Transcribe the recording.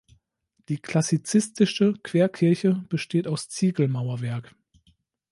Die klassizistische Querkirche besteht aus Ziegelmauerwerk.